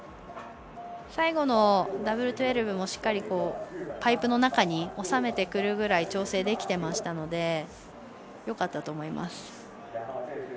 最後のダブル１２６０もしっかりパイプの中に収めてくるぐらい調整できてましたのでよかったと思います。